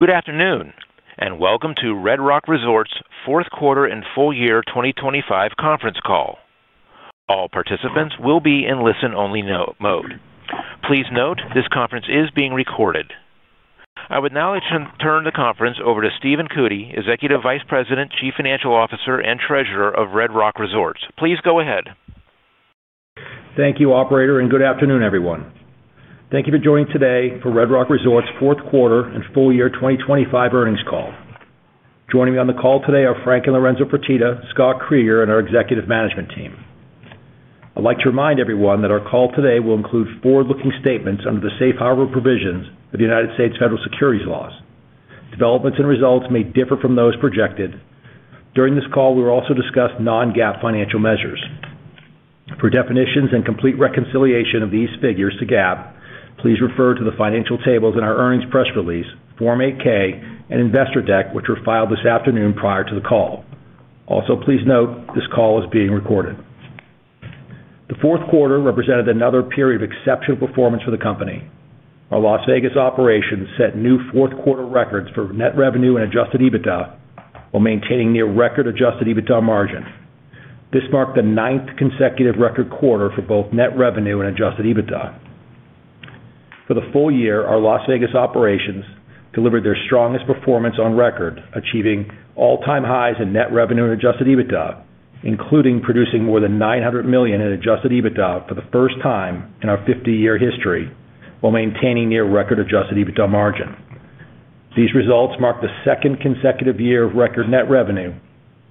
Good afternoon and welcome to Red Rock Resorts' Fourth Quarter and Full Year 2025 Conference Call. All participants will be in listen-only mode. Please note this conference is being recorded. I would now like to turn the conference over to Stephen Cootey, Executive Vice President, Chief Financial Officer, and Treasurer of Red Rock Resorts. Please go ahead. Thank you, Operator, and good afternoon, everyone. Thank you for joining today for Red Rock Resorts' fourth quarter and full year 2025 earnings call. Joining me on the call today are Frank and Lorenzo Fertitta, Scott Kreeger, and our executive management team. I'd like to remind everyone that our call today will include forward-looking statements under the Safe Harbor provisions of the United States Federal Securities Laws. Developments and results may differ from those projected. During this call, we will also discuss non-GAAP financial measures. For definitions and complete reconciliation of these figures to GAAP, please refer to the financial tables in our earnings press release, Form 8-K, and Investor Deck, which were filed this afternoon prior to the call. Also, please note this call is being recorded. The fourth quarter represented another period of exceptional performance for the company. Our Las Vegas operations set new fourth-quarter records for net revenue and adjusted EBITDA while maintaining near-record adjusted EBITDA margin. This marked the ninth consecutive record quarter for both net revenue and adjusted EBITDA. For the full year, our Las Vegas operations delivered their strongest performance on record, achieving all-time highs in net revenue and adjusted EBITDA, including producing more than $900 million in adjusted EBITDA for the first time in our 50-year history while maintaining near-record adjusted EBITDA margin. These results marked the second consecutive year of record net revenue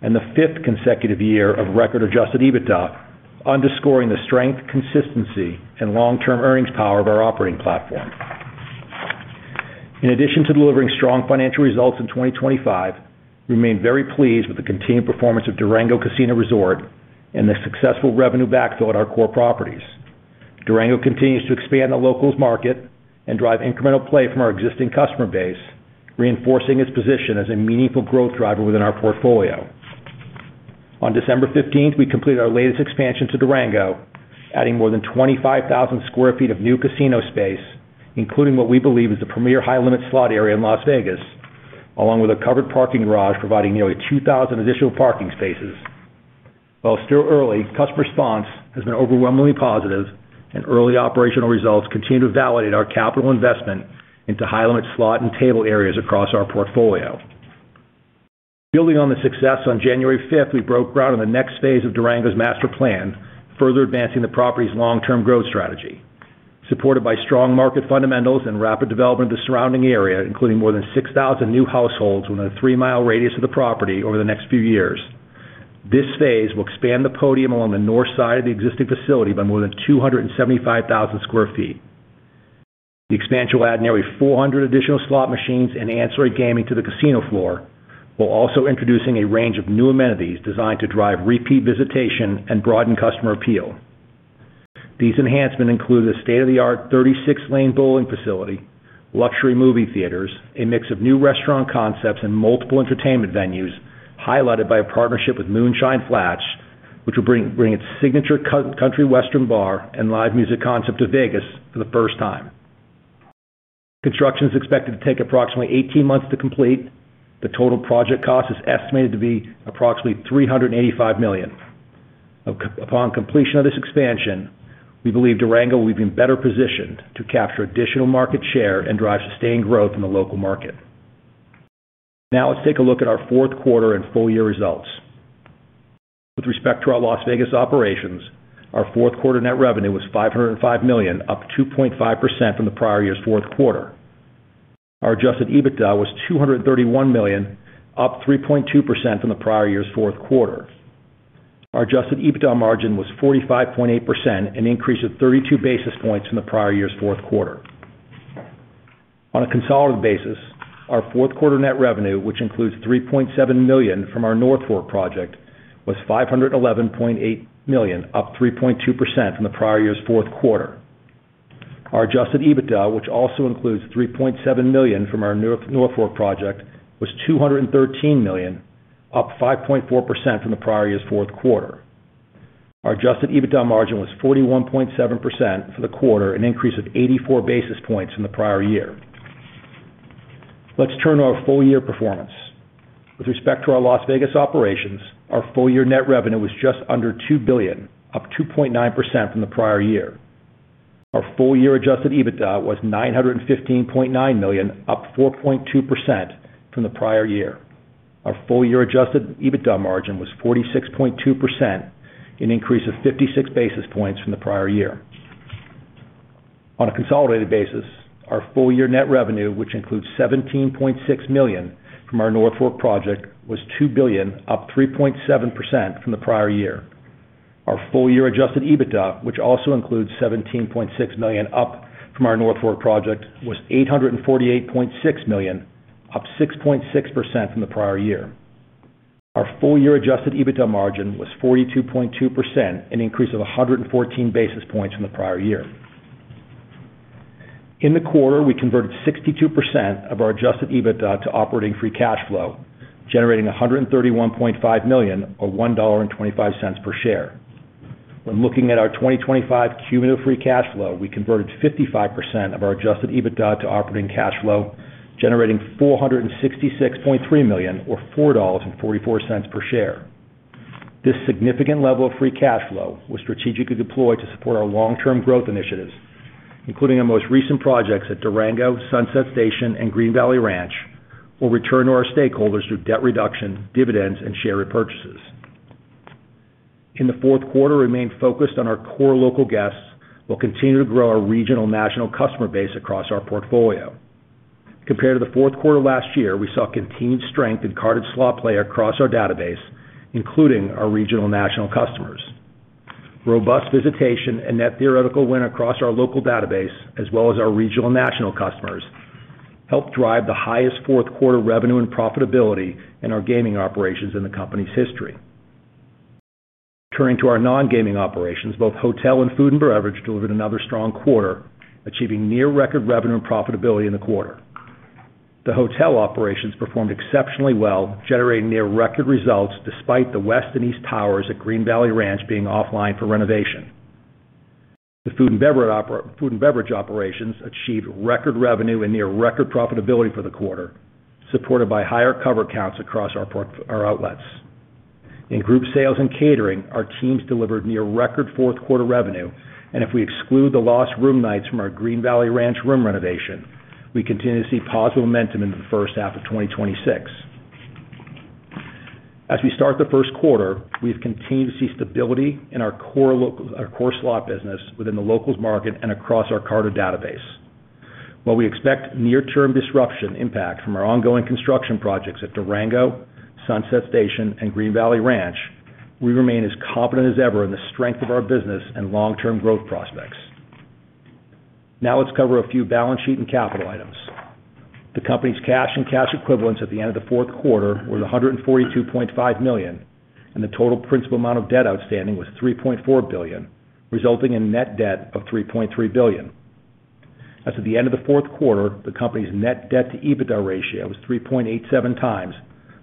and the fifth consecutive year of record adjusted EBITDA, underscoring the strength, consistency, and long-term earnings power of our operating platform. In addition to delivering strong financial results in 2025, we remain very pleased with the continued performance of Durango Casino Resort and the successful revenue backfill at our core properties. Durango continues to expand the locals market and drive incremental play from our existing customer base, reinforcing its position as a meaningful growth driver within our portfolio. On December 15th, we completed our latest expansion to Durango, adding more than 25,000 sq ft of new casino space, including what we believe is the premier high-limit slot area in Las Vegas, along with a covered parking garage providing nearly 2,000 additional parking spaces. While still early, customer response has been overwhelmingly positive, and early operational results continue to validate our capital investment into high-limit slot and table areas across our portfolio. Building on the success on January 5th, we broke ground on the next phase of Durango's master plan, further advancing the property's long-term growth strategy. Supported by strong market fundamentals and rapid development of the surrounding area, including more than 6,000 new households within a three-mile radius of the property over the next few years, this phase will expand the podium along the north side of the existing facility by more than 275,000 sq ft. The expansion will add nearly 400 additional slot machines and ancillary gaming to the casino floor, while also introducing a range of new amenities designed to drive repeat visitation and broaden customer appeal. These enhancements include the state-of-the-art 36-lane bowling facility, luxury movie theaters, a mix of new restaurant concepts, and multiple entertainment venues highlighted by a partnership with Moonshine Flats, which will bring its signature country-western bar and live music concept to Vegas for the first time. Construction is expected to take approximately 18 months to complete. The total project cost is estimated to be approximately $385 million. Upon completion of this expansion, we believe Durango will be in better position to capture additional market share and drive sustained growth in the local market. Now let's take a look at our fourth quarter and full year results. With respect to our Las Vegas operations, our fourth quarter net revenue was $505 million, up 2.5% from the prior year's fourth quarter. Our Adjusted EBITDA was $231 million, up 3.2% from the prior year's fourth quarter. Our Adjusted EBITDA margin was 45.8%, an increase of 32 basis points from the prior year's fourth quarter. On a consolidated basis, our fourth quarter net revenue, which includes $3.7 million from our North Fork project, was $511.8 million, up 3.2% from the prior year's fourth quarter. Our Adjusted EBITDA, which also includes $3.7 million from our North Fork project, was $213 million, up 5.4% from the prior year's fourth quarter. Our adjusted EBITDA margin was 41.7% for the quarter, an increase of 84 basis points from the prior year. Let's turn to our full year performance. With respect to our Las Vegas operations, our full year net revenue was just under $2 billion, up 2.9% from the prior year. Our full year adjusted EBITDA was $915.9 million, up 4.2% from the prior year. Our full year adjusted EBITDA margin was 46.2%, an increase of 56 basis points from the prior year. On a consolidated basis, our full year net revenue, which includes $17.6 million from our North Fork project, was $2 billion, up 3.7% from the prior year. Our full year adjusted EBITDA, which also includes $17.6 million, up from our North Fork project, was $848.6 million, up 6.6% from the prior year. Our full year adjusted EBITDA margin was 42.2%, an increase of 114 basis points from the prior year. In the quarter, we converted 62% of our adjusted EBITDA to operating free cash flow, generating $131.5 million, or $1.25 per share. When looking at our 2025 cumulative free cash flow, we converted 55% of our adjusted EBITDA to operating cash flow, generating $466.3 million, or $4.44 per share. This significant level of free cash flow was strategically deployed to support our long-term growth initiatives, including our most recent projects at Durango, Sunset Station, and Green Valley Ranch, while returning to our stakeholders through debt reduction, dividends, and share repurchases. In the fourth quarter, we remained focused on our core local guests while continuing to grow our regional national customer base across our portfolio. Compared to the fourth quarter last year, we saw continued strength in carded slot play across our database, including our regional national customers. Robust visitation and net theoretical win across our local database, as well as our regional national customers, helped drive the highest fourth-quarter revenue and profitability in our gaming operations in the company's history. Turning to our non-gaming operations, both hotel and food and beverage delivered another strong quarter, achieving near-record revenue and profitability in the quarter. The hotel operations performed exceptionally well, generating near-record results despite the West and East Towers at Green Valley Ranch being offline for renovation. The food and beverage operations achieved record revenue and near-record profitability for the quarter, supported by higher cover counts across our outlets. In group sales and catering, our teams delivered near-record fourth-quarter revenue, and if we exclude the lost room nights from our Green Valley Ranch room renovation, we continue to see positive momentum into the first half of 2026. As we start the first quarter, we have continued to see stability in our core slot business within the locals market and across our carded database. While we expect near-term disruption impact from our ongoing construction projects at Durango, Sunset Station, and Green Valley Ranch, we remain as confident as ever in the strength of our business and long-term growth prospects. Now let's cover a few balance sheet and capital items. The company's cash and cash equivalents at the end of the fourth quarter were $142.5 million, and the total principal amount of debt outstanding was $3.4 billion, resulting in net debt of $3.3 billion. As of the end of the fourth quarter, the company's net debt-to-EBITDA ratio was 3.87 times,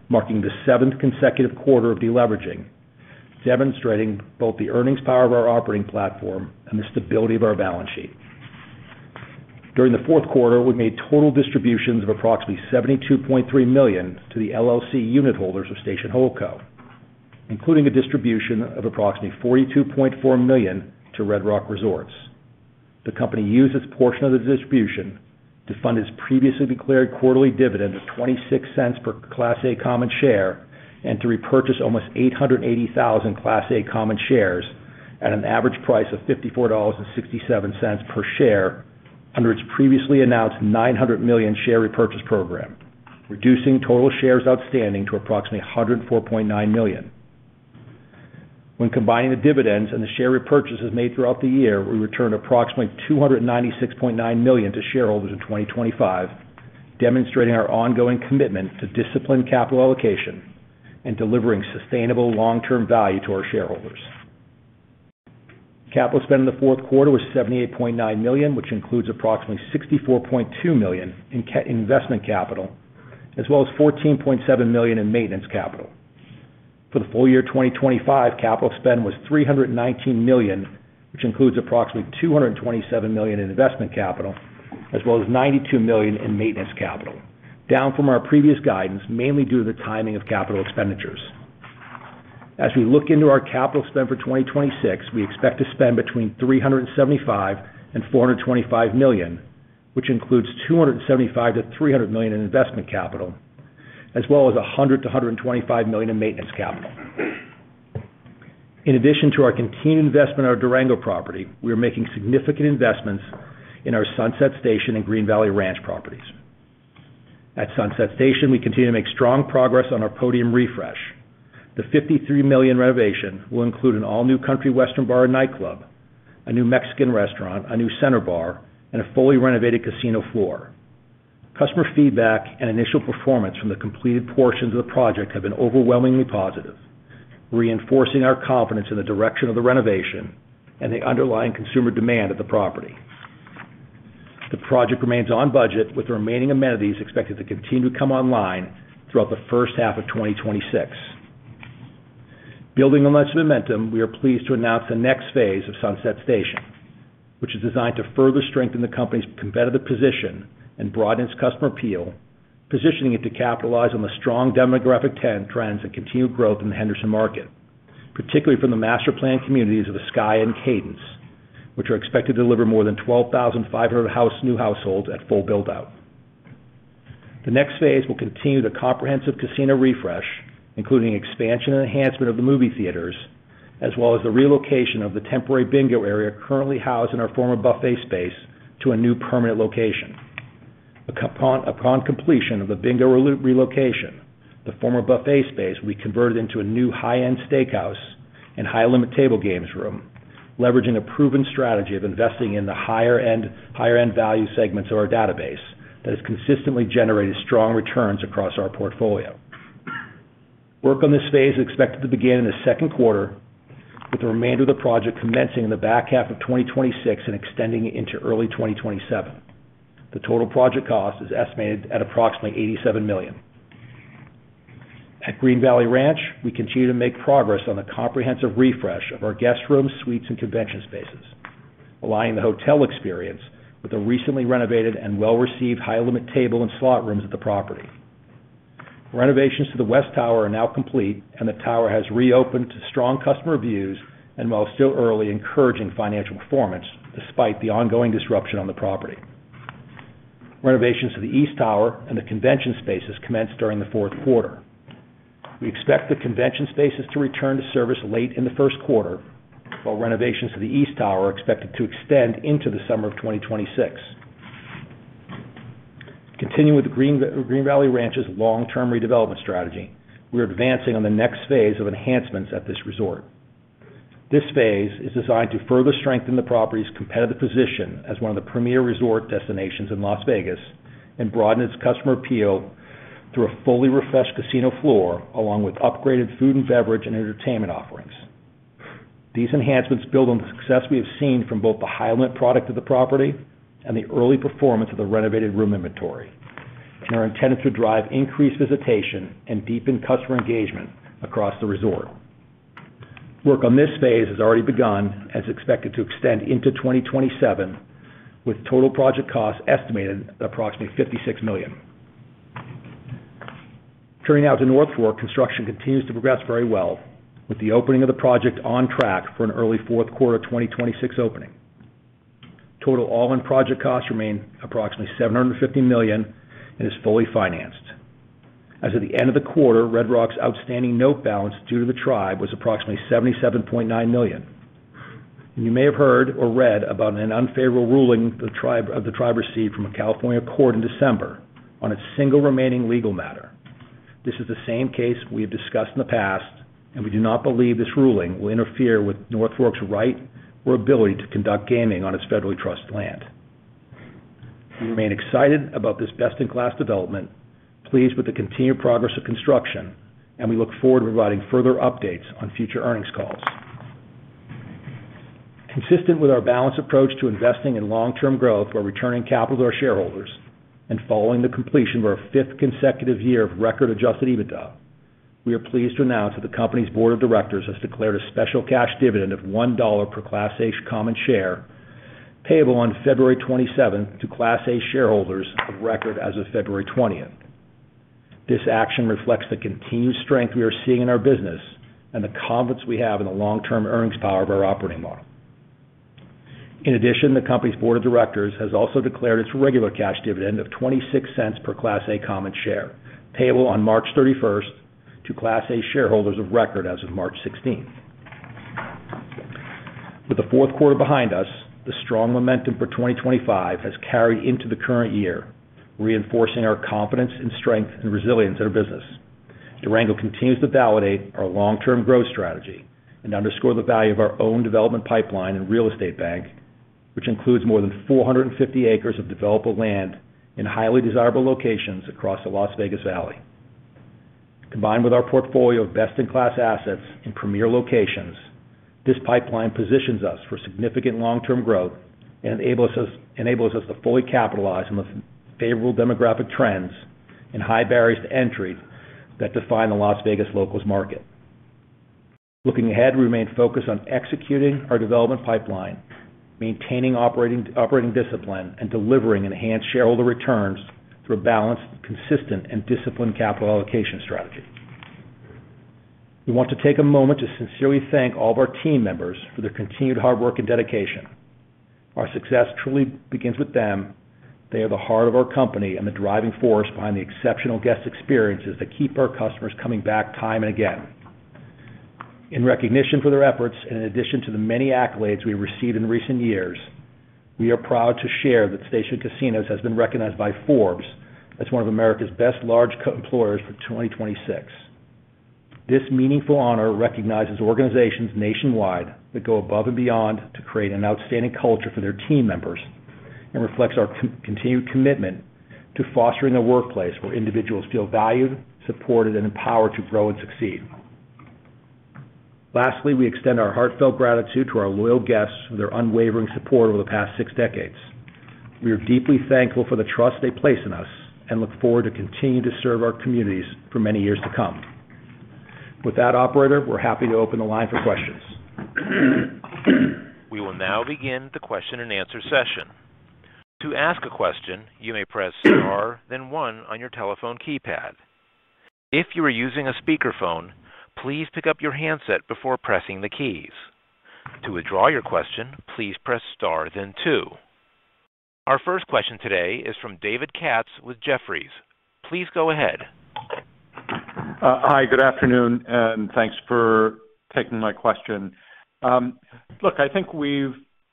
marking the seventh consecutive quarter of deleveraging, demonstrating both the earnings power of our operating platform and the stability of our balance sheet. During the fourth quarter, we made total distributions of approximately $72.3 million to the LLC unitholders of Station Holdco, including a distribution of approximately $42.4 million to Red Rock Resorts. The company used its portion of the distribution to fund its previously declared quarterly dividend of $0.26 per Class A Common Share and to repurchase almost 880,000 Class A Common Shares at an average price of $54.67 per share under its previously announced $900 million share repurchase program, reducing total shares outstanding to approximately 104.9 million. When combining the dividends and the share repurchases made throughout the year, we returned approximately $296.9 million to shareholders in 2025, demonstrating our ongoing commitment to disciplined capital allocation and delivering sustainable long-term value to our shareholders. Capital spend in the fourth quarter was $78.9 million, which includes approximately $64.2 million in investment capital, as well as $14.7 million in maintenance capital. For the full year 2025, capital spend was $319 million, which includes approximately $227 million in investment capital, as well as $92 million in maintenance capital, down from our previous guidance, mainly due to the timing of capital expenditures. As we look into our capital spend for 2026, we expect to spend between $375-$425 million, which includes $275-$300 million in investment capital, as well as $100-$125 million in maintenance capital. In addition to our continued investment in our Durango property, we are making significant investments in our Sunset Station and Green Valley Ranch properties. At Sunset Station, we continue to make strong progress on our podium refresh. The $53 million renovation will include an all-new country-western bar and nightclub, a new Mexican restaurant, a new center bar, and a fully renovated casino floor. Customer feedback and initial performance from the completed portions of the project have been overwhelmingly positive, reinforcing our confidence in the direction of the renovation and the underlying consumer demand at the property. The project remains on budget, with the remaining amenities expected to continue to come online throughout the first half of 2026. Building on that momentum, we are pleased to announce the next phase of Sunset Station, which is designed to further strengthen the company's competitive position and broaden its customer appeal, positioning it to capitalize on the strong demographic trends and continued growth in the Henderson market, particularly from the master plan communities of Ascaya and Cadence, which are expected to deliver more than 12,500 new households at full buildout. The next phase will continue the comprehensive casino refresh, including expansion and enhancement of the movie theaters, as well as the relocation of the temporary bingo area currently housed in our former buffet space to a new permanent location. Upon completion of the bingo relocation, the former buffet space will be converted into a new high-end steakhouse and high-limit table games room, leveraging a proven strategy of investing in the higher-end value segments of our database that has consistently generated strong returns across our portfolio. Work on this phase is expected to begin in the second quarter, with the remainder of the project commencing in the back half of 2026 and extending into early 2027. The total project cost is estimated at approximately $87 million. At Green Valley Ranch, we continue to make progress on the comprehensive refresh of our guest rooms, suites, and convention spaces, aligning the hotel experience with the recently renovated and well-received high-limit table and slot rooms at the property. Renovations to the West Tower are now complete, and the tower has reopened to strong customer views and, while still early, encouraging financial performance despite the ongoing disruption on the property. Renovations to the East Tower and the convention spaces commence during the fourth quarter. We expect the convention spaces to return to service late in the first quarter, while renovations to the East Tower are expected to extend into the summer of 2026. Continuing with Green Valley Ranch's long-term redevelopment strategy, we are advancing on the next phase of enhancements at this resort. This phase is designed to further strengthen the property's competitive position as one of the premier resort destinations in Las Vegas and broaden its customer appeal through a fully refreshed casino floor along with upgraded food and beverage and entertainment offerings. These enhancements build on the success we have seen from both the high-limit product of the property and the early performance of the renovated room inventory, and are intended to drive increased visitation and deepen customer engagement across the resort. Work on this phase has already begun and is expected to extend into 2027, with total project costs estimated at approximately $56 million. Turning now to North Fork, construction continues to progress very well, with the opening of the project on track for an early fourth quarter 2026 opening. Total all-in project costs remain approximately $750 million and is fully financed. As of the end of the quarter, Red Rock's outstanding note balance due to the tribe was approximately $77.9 million. You may have heard or read about an unfavorable ruling of the tribe received from a California court in December on its single remaining legal matter. This is the same case we have discussed in the past, and we do not believe this ruling will interfere with North Fork's right or ability to conduct gaming on its federal trust land. We remain excited about this best-in-class development, pleased with the continued progress of construction, and we look forward to providing further updates on future earnings calls. Consistent with our balanced approach to investing in long-term growth by returning capital to our shareholders and following the completion of our fifth consecutive year of record adjusted EBITDA, we are pleased to announce that the company's board of directors has declared a special cash dividend of $1 per Class A common share payable on February 27th to Class A shareholders of record as of February 20th. This action reflects the continued strength we are seeing in our business and the confidence we have in the long-term earnings power of our operating model. In addition, the company's board of directors has also declared its regular cash dividend of $0.26 per Class A Common Share payable on March 31st to Class A shareholders of record as of March 16th. With the fourth quarter behind us, the strong momentum for 2025 has carried into the current year, reinforcing our confidence in strength and resilience in our business. Durango continues to validate our long-term growth strategy and underscore the value of our own development pipeline in real estate bank, which includes more than 450 acres of developable land in highly desirable locations across the Las Vegas Valley. Combined with our portfolio of best-in-class assets in premier locations, this pipeline positions us for significant long-term growth and enables us to fully capitalize on the favorable demographic trends and high barriers to entry that define the Las Vegas locals market. Looking ahead, we remain focused on executing our development pipeline, maintaining operating discipline, and delivering enhanced shareholder returns through a balanced, consistent, and disciplined capital allocation strategy. We want to take a moment to sincerely thank all of our team members for their continued hard work and dedication. Our success truly begins with them. They are the heart of our company and the driving force behind the exceptional guest experiences that keep our customers coming back time and again. In recognition for their efforts and in addition to the many accolades we have received in recent years, we are proud to share that Station Casinos has been recognized by Forbes as one of America's best large employers for 2026. This meaningful honor recognizes organizations nationwide that go above and beyond to create an outstanding culture for their team members and reflects our continued commitment to fostering a workplace where individuals feel valued, supported, and empowered to grow and succeed. Lastly, we extend our heartfelt gratitude to our loyal guests for their unwavering support over the past six decades. We are deeply thankful for the trust they place in us and look forward to continuing to serve our communities for many years to come. With that operator, we're happy to open the line for questions. We will now begin the question-and-answer session. To ask a question, you may press R then one on your telephone keypad. If you are using a speakerphone, please pick up your handset before pressing the keys. To withdraw your question, please press star then two. Our first question today is from David Katz with Jefferies. Please go ahead. Hi. Good afternoon, and thanks for taking my question. Look, I think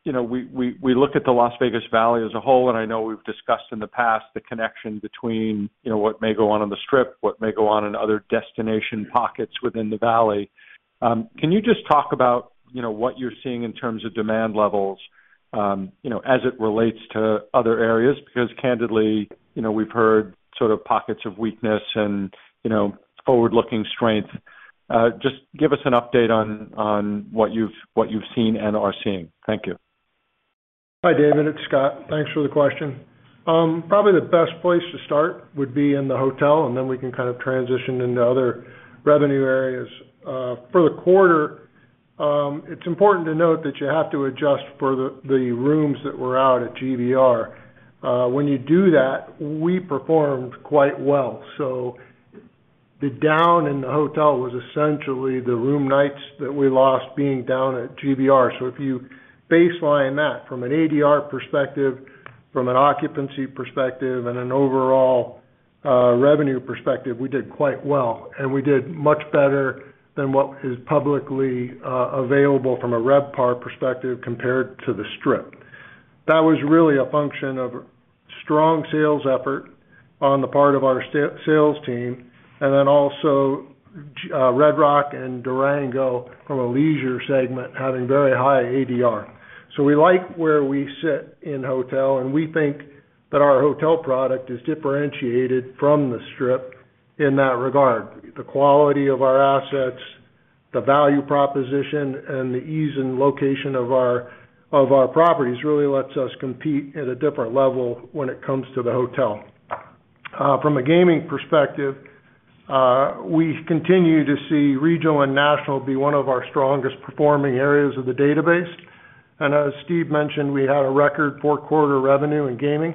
we look at the Las Vegas Valley as a whole, and I know we've discussed in the past the connection between what may go on on the Strip, what may go on in other destination pockets within the valley. Can you just talk about what you're seeing in terms of demand levels as it relates to other areas? Because candidly, we've heard sort of pockets of weakness and forward-looking strength. Just give us an update on what you've seen and are seeing. Thank you. Hi, David. It's Scott. Thanks for the question. Probably the best place to start would be in the hotel, and then we can kind of transition into other revenue areas. For the quarter, it's important to note that you have to adjust for the rooms that were out at GVR. When you do that, we performed quite well. So the down in the hotel was essentially the room nights that we lost being down at GVR. So if you baseline that from an ADR perspective, from an occupancy perspective, and an overall revenue perspective, we did quite well. And we did much better than what is publicly available from a RevPAR perspective compared to the Strip. That was really a function of strong sales effort on the part of our sales team and then also Red Rock and Durango from a leisure segment having very high ADR. So we like where we sit in hotel, and we think that our hotel product is differentiated from the Strip in that regard. The quality of our assets, the value proposition, and the ease and location of our properties really lets us compete at a different level when it comes to the hotel. From a gaming perspective, we continue to see regional and national be one of our strongest performing areas of the database. And as Steve mentioned, we had a record four-quarter revenue in gaming.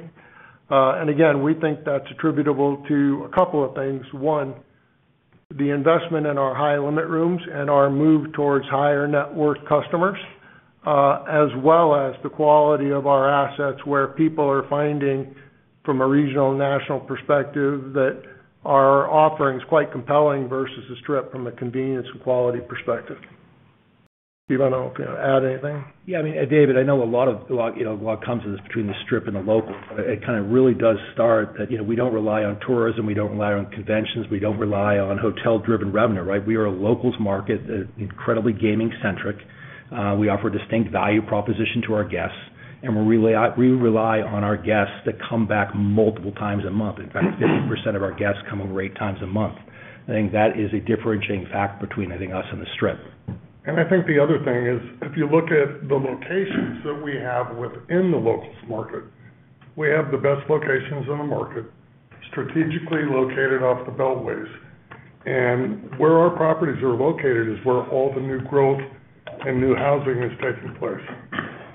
And again, we think that's attributable to a couple of things. One, the investment in our high-limit rooms and our move towards higher-net-worth customers, as well as the quality of our assets where people are finding from a regional and national perspective that our offering is quite compelling versus the Strip from a convenience and quality perspective. Steve, I don't know if you want to add anything. Yeah. I mean, David, I know a lot comes to this between the Strip and the locals, but it kind of really does start that we don't rely on tourism. We don't rely on conventions. We don't rely on hotel-driven revenue, right? We are a locals market that's incredibly gaming-centric. We offer a distinct value proposition to our guests, and we rely on our guests to come back multiple times a month. In fact, 50% of our guests come over eight times a month. I think that is a differentiating fact between, I think, us and the Strip. And I think the other thing is if you look at the locations that we have within the locals market, we have the best locations in the market, strategically located off the beltways. And where our properties are located is where all the new growth and new housing is taking place.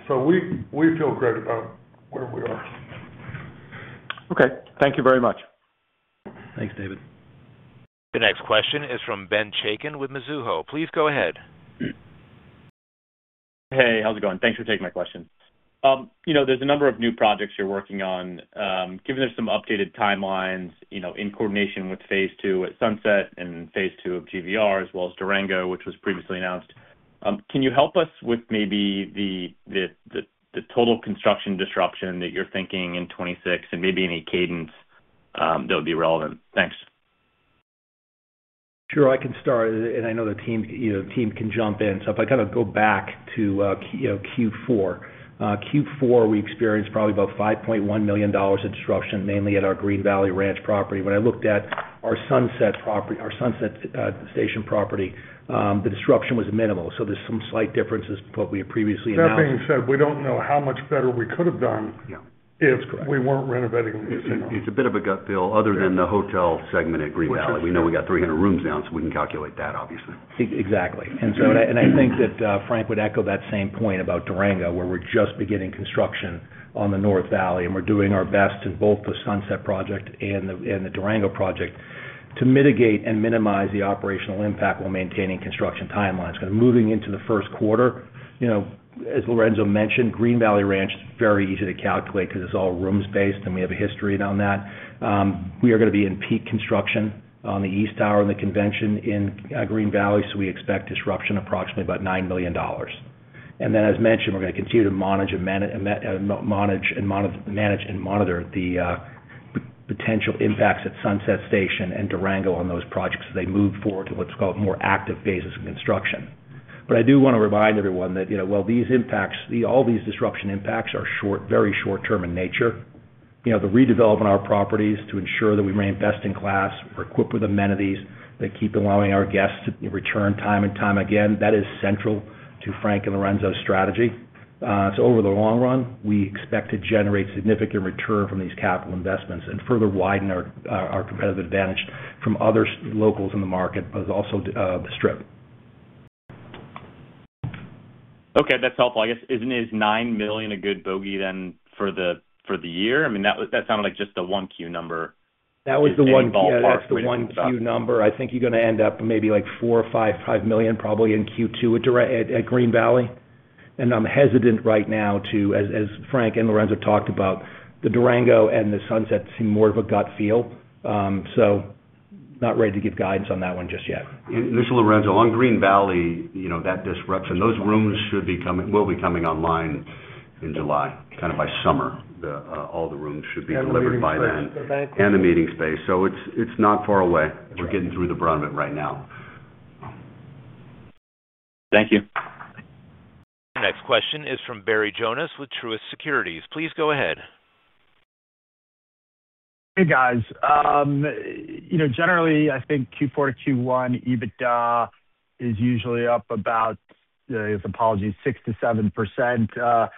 So we feel great about where we are. Okay. Thank you very much. Thanks, David. The next question is from Ben Chaiken with Mizuho. Please go ahead. Hey. How's it going? Thanks for taking my question. There's a number of new projects you're working on. Given there's some updated timelines in coordination with phase two at Sunset and phase two of GVR as well as Durango, which was previously announced, can you help us with maybe the total construction disruption that you're thinking in 2026 and maybe any cadence that would be relevant? Thanks. Sure. I can start. And I know the team can jump in. So if I kind of go back to Q4, Q4, we experienced probably about $5.1 million of disruption, mainly at our Green Valley Ranch property. When I looked at our Sunset property, our Sunset Station property, the disruption was minimal. So there's some slight differences from what we had previously announced. That being said, we don't know how much better we could have done if we weren't renovating the casino. It's a bit of a gut feel other than the hotel segment at Green Valley Ranch. We know we got 300 rooms now, so we can calculate that, obviously. Exactly. And I think that Frank would echo that same point about Durango where we're just beginning construction on the North Valley, and we're doing our best in both the Sunset project and the Durango project to mitigate and minimize the operational impact while maintaining construction timelines. Kind of moving into the first quarter, as Lorenzo mentioned, Green Valley Ranch is very easy to calculate because it's all rooms-based, and we have a history on that. We are going to be in peak construction on the East Tower and the convention in Green Valley, so we expect disruption approximately about $9 million. Then, as mentioned, we're going to continue to manage and monitor the potential impacts at Sunset Station and Durango on those projects as they move forward to what's called more active phases of construction. But I do want to remind everyone that while all these disruption impacts are very short-term in nature, the redevelopment of our properties to ensure that we remain best-in-class, we're equipped with amenities that keep allowing our guests to return time and time again, that is central to Frank and Lorenzo's strategy. So over the long run, we expect to generate significant return from these capital investments and further widen our competitive advantage from other locals in the market, but also the Strip. Okay. That's helpful, I guess. Isn't $9 million a good bogey then for the year? I mean, that sounded like just a Q1 number. That was the Q1 number. I think you're going to end up maybe like $4.5-$5 million probably in Q2 at Green Valley Ranch. And I'm hesitant right now to as Frank and Lorenzo talked about, the Durango and the Sunset seem more of a gut feel, so not ready to give guidance on that one just yet. And this Lorenzo, on Green Valley Ranch, that disruption, those rooms will be coming online in July, kind of by summer. All the rooms should be delivered by then and the meeting space. So it's not far away. We're getting through the brunt of it right now. Thank you. Next question is from Barry Jonas with Truist Securities. Please go ahead. Hey, guys. Generally, I think Q4 to Q1, EBITDA is usually up about, with apologies, 6%-7%.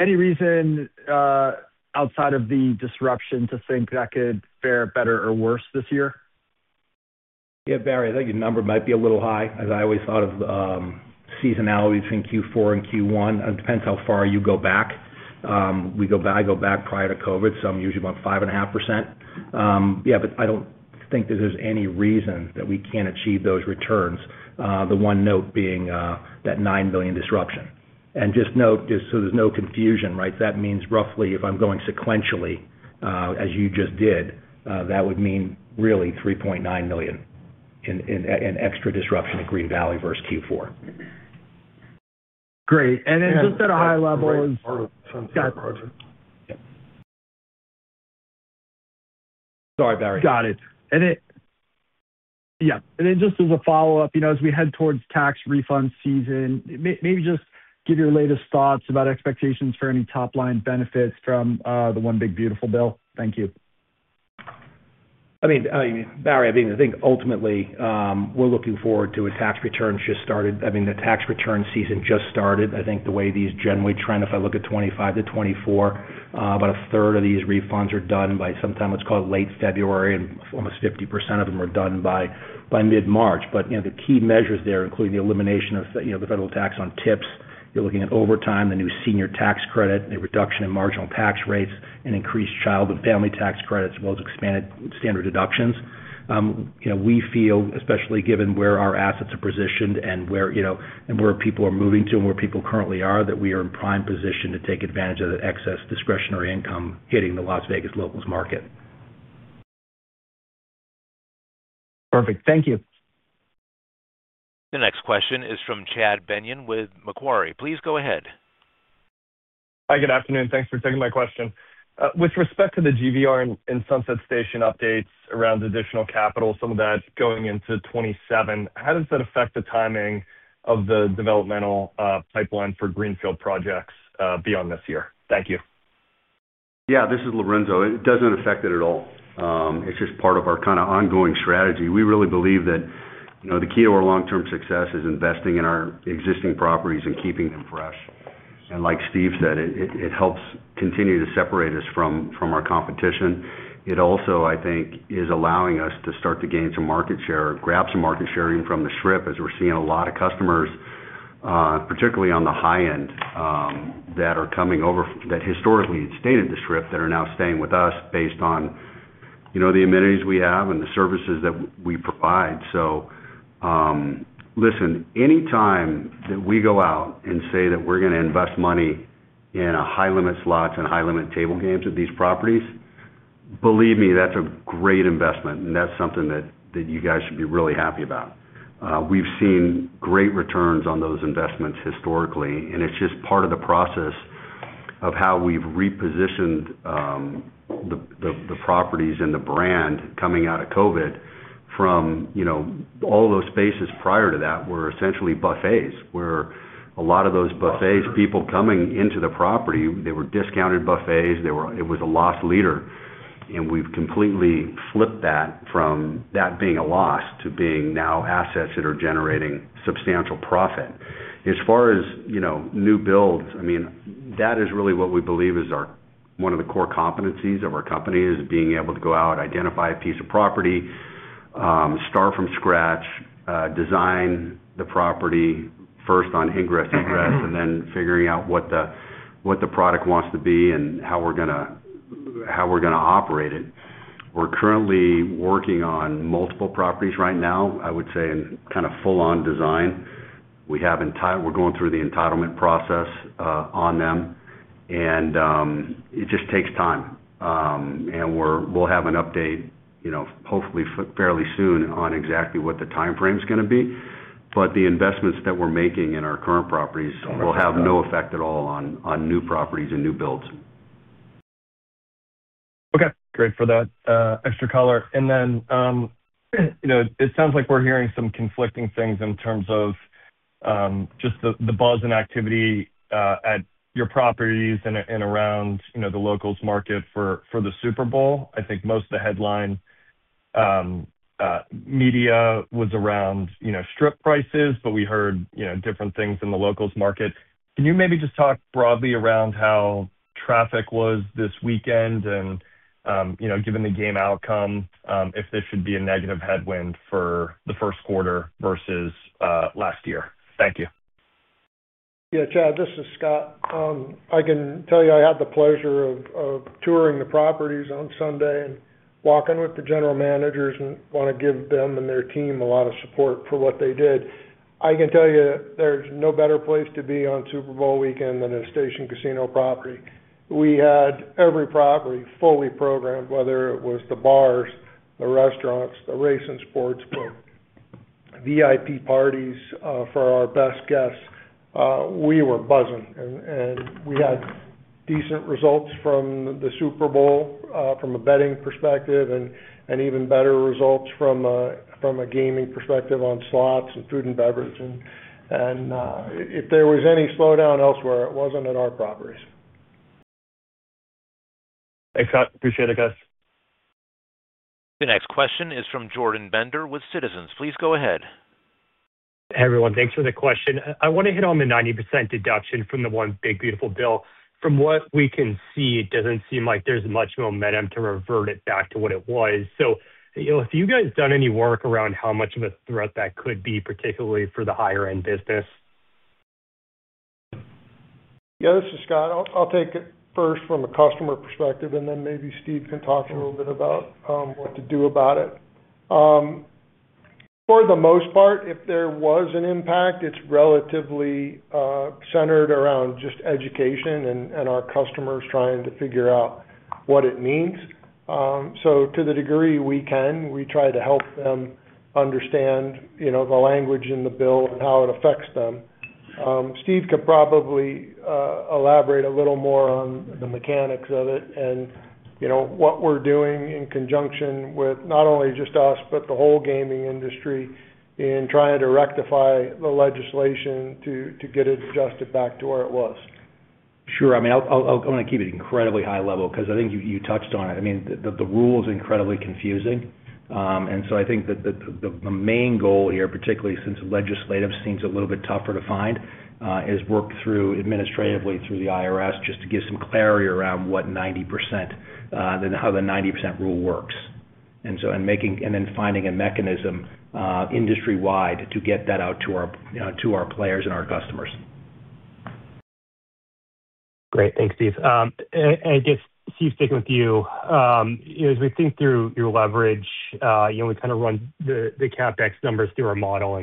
Any reason outside of the disruption to think that could fare better or worse this year? Yeah, Barry, I think your number might be a little high. As I always thought of seasonalities in Q4 and Q1, it depends how far you go back. I go back prior to COVID, so I'm usually about 5.5%. Yeah. But I don't think that there's any reason that we can't achieve those returns, the one note being that $9 million disruption. And just note, so there's no confusion, right, that means roughly if I'm going sequentially as you just did, that would mean really $3.9 million in extra disruption at Green Valley versus Q4. Great. And then just at a high level is. Got it. Sorry, Barry. Got it. Yeah. And then just as a follow-up, as we head towards tax refund season, maybe just give your latest thoughts about expectations for any top-line benefits from the One Big Beautiful Bill. Thank you. I mean, Barry, I mean, I think ultimately, we're looking forward to a tax return just started. I mean, the tax return season just started. I think the way these generally trend, if I look at 2025 to 2024, about a third of these refunds are done by sometime what's called late February, and almost 50% of them are done by mid-March. But the key measures there, including the elimination of the federal tax on tips, you're looking at overtime, the new senior tax credit, a reduction in marginal tax rates, an increased child and family tax credit as well as expanded standard deductions. We feel, especially given where our assets are positioned and where people are moving to and where people currently are, that we are in prime position to take advantage of that excess discretionary income hitting the Las Vegas locals market. Perfect. Thank you. The next question is from Chad Beynon with Macquarie. Please go ahead. Hi. Good afternoon. Thanks for taking my question. With respect to the GVR and Sunset Station updates around additional capital, some of that going into 2027, how does that affect the timing of the developmental pipeline for Greenfield projects beyond this year? Thank you. Yeah. This is Lorenzo. It doesn't affect it at all. It's just part of our kind of ongoing strategy. We really believe that the key to our long-term success is investing in our existing properties and keeping them fresh. Like Steve said, it helps continue to separate us from our competition. It also, I think, is allowing us to start to gain some market share, grab some market share even from the Strip as we're seeing a lot of customers, particularly on the high end, that are coming over that historically had stayed at the Strip that are now staying with us based on the amenities we have and the services that we provide. So listen, anytime that we go out and say that we're going to invest money in high-limit slots and high-limit table games at these properties, believe me, that's a great investment, and that's something that you guys should be really happy about. We've seen great returns on those investments historically, and it's just part of the process of how we've repositioned the properties and the brand coming out of COVID. From all those spaces prior to that were essentially buffets where a lot of those buffets, people coming into the property, they were discounted buffets. It was a loss leader. We've completely flipped that from that being a loss to being now assets that are generating substantial profit. As far as new builds, I mean, that is really what we believe is one of the core competencies of our company is being able to go out, identify a piece of property, start from scratch, design the property first on ingress, egress, and then figuring out what the product wants to be and how we're going to operate it. We're currently working on multiple properties right now, I would say, in kind of full-on design. We're going through the entitlement process on them, and it just takes time. We'll have an update, hopefully, fairly soon on exactly what the timeframe is going to be. But the investments that we're making in our current properties will have no effect at all on new properties and new builds. Okay. Great for that extra color. Then it sounds like we're hearing some conflicting things in terms of just the buzz and activity at your properties and around the locals market for the Super Bowl. I think most of the headline media was around Strip prices, but we heard different things in the locals market. Can you maybe just talk broadly around how traffic was this weekend and given the game outcome, if this should be a negative headwind for the first quarter versus last year? Thank you. Yeah, Chad, this is Scott. I can tell you I had the pleasure of touring the properties on Sunday and walking with the general managers and want to give them and their team a lot of support for what they did. I can tell you there's no better place to be on Super Bowl weekend than a Station Casinos property. We had every property fully programmed, whether it was the bars, the restaurants, the race and sports, but VIP parties for our best guests. We were buzzing, and we had decent results from the Super Bowl from a betting perspective and even better results from a gaming perspective on slots and food and beverage. If there was any slowdown elsewhere, it wasn't at our properties. Thanks, Scott. Appreciate it, guys. The next question is from Jordan Bender with Citizens. Please go ahead. Hey, everyone. Thanks for the question. I want to hit on the 90% deduction from the One Big Beautiful bill. From what we can see, it doesn't seem like there's much momentum to revert it back to what it was. So have you guys done any work around how much of a threat that could be, particularly for the higher-end business? Yeah. This is Scott. I'll take it first from a customer perspective, and then maybe Steve can talk a little bit about what to do about it. For the most part, if there was an impact, it's relatively centered around just education and our customers trying to figure out what it means. So to the degree we can, we try to help them understand the language in the bill and how it affects them. Steve could probably elaborate a little more on the mechanics of it and what we're doing in conjunction with not only just us but the whole gaming industry in trying to rectify the legislation to get it adjusted back to where it was. Sure. I mean, I want to keep it incredibly high level because I think you touched on it. I mean, the rule is incredibly confusing. And so I think that the main goal here, particularly since legislative seems a little bit tougher to find, is work administratively through the IRS just to give some clarity around how the 90% rule works and then finding a mechanism industry-wide to get that out to our players and our customers. Great. Thanks, Steve. I guess, Steve, sticking with you, as we think through your leverage, we kind of run the CapEx numbers through our model.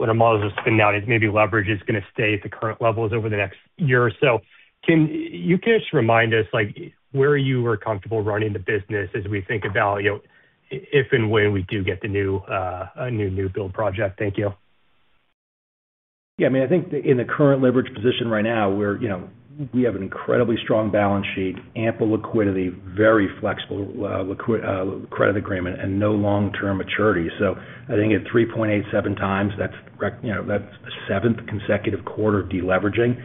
When our models are spinning out, maybe leverage is going to stay at the current level over the next year or so. Can you guys remind us where you are comfortable running the business as we think about if and when we do get a new build project? Thank you. Yeah. I mean, I think in the current leverage position right now, we have an incredibly strong balance sheet, ample liquidity, very flexible credit agreement, and no long-term maturity. So I think at 3.87 times, that's the seventh consecutive quarter of deleveraging.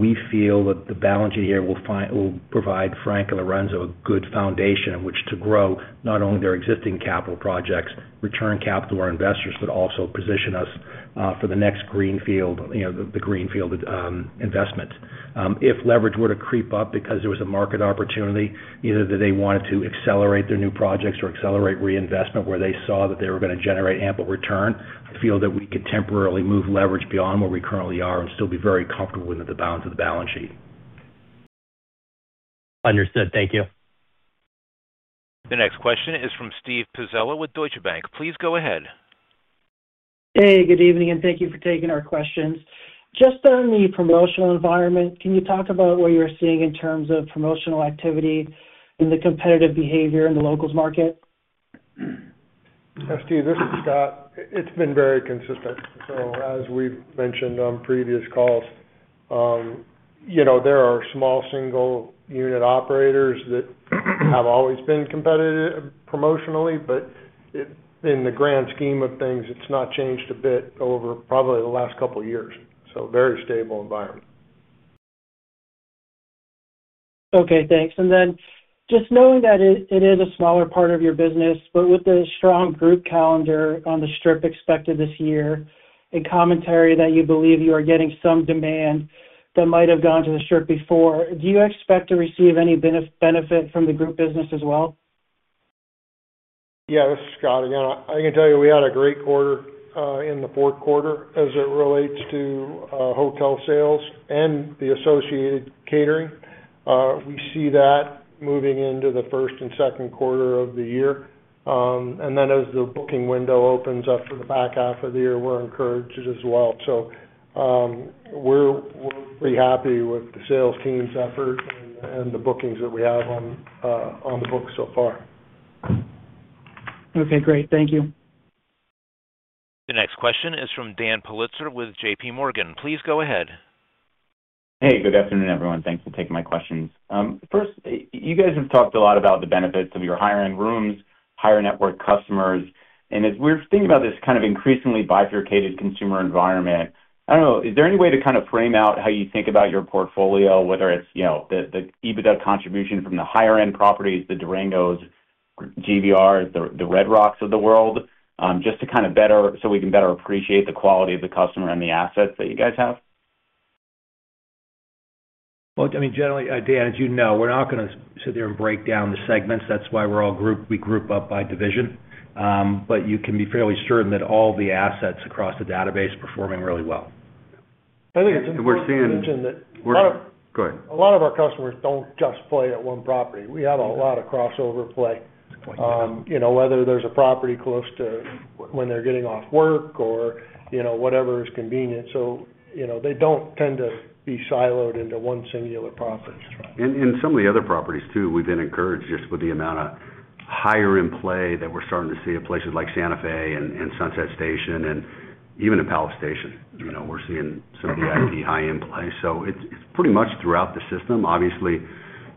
We feel that the balance sheet here will provide Frank and Lorenzo a good foundation in which to grow not only their existing capital projects, return capital to our investors, but also position us for the next greenfield investment. If leverage were to creep up because there was a market opportunity, either that they wanted to accelerate their new projects or accelerate reinvestment where they saw that they were going to generate ample return, I feel that we could temporarily move leverage beyond where we currently are and still be very comfortable within the bounds of the balance sheet. Understood. Thank you. The next question is from Steve Pizzella with Deutsche Bank. Please go ahead. Hey. Good evening. And thank you for taking our questions. Just on the promotional environment, can you talk about what you're seeing in terms of promotional activity and the competitive behavior in the locals market? Yeah, Steve. This is Scott. It's been very consistent. So as we've mentioned on previous calls, there are small single-unit operators that have always been competitive promotionally, but in the grand scheme of things, it's not changed a bit over probably the last couple of years. So very stable environment. Okay. Thanks. And then just knowing that it is a smaller part of your business, but with the strong group calendar on the Strip expected this year and commentary that you believe you are getting some demand that might have gone to the Strip before, do you expect to receive any benefit from the group business as well? Yeah. This is Scott again. I can tell you we had a great quarter in the fourth quarter as it relates to hotel sales and the associated catering. We see that moving into the first and second quarter of the year. And then as the booking window opens up for the back half of the year, we're encouraged as well. So we're pretty happy with the sales team's effort and the bookings that we have on the books so far. Okay. Great. Thank you. The next question is from Daniel Politzer with J.P. Morgan. Please go ahead. Hey. Good afternoon, everyone. Thanks for taking my questions. First, you guys have talked a lot about the benefits of your higher-end rooms, higher-net-worth customers. And as we're thinking about this kind of increasingly bifurcated consumer environment, I don't know, is there any way to kind of frame out how you think about your portfolio, whether it's the EBITDA contribution from the higher-end properties, the Durango's, GVRs, the Red Rock's of the world, just to kind of better so we can better appreciate the quality of the customer and the assets that you guys have? Well, I mean, generally, Dan, as you know, we're not going to sit there and break down the segments. That's why we group up by division. But you can be fairly certain that all the assets across the database are performing really well. I think it's important to mention that we're go ahead. A lot of our customers don't just play at one property. We have a lot of crossover play, whether there's a property close to when they're getting off work or whatever is convenient. So they don't tend to be siloed into one singular property. That's right. And some of the other properties too, we've been encouraged just with the amount of higher-end play that we're starting to see at places like Santa Fe and Sunset Station and even in Palace Station. We're seeing some VIP high-end play. So it's pretty much throughout the system.